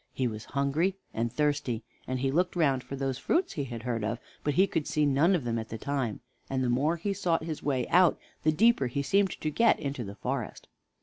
He was hungry and thirsty, and he looked round for those fruits he had heard of; but he could see none of them at the time, and the more he sought his way out, the deeper he seemed to get into the forest.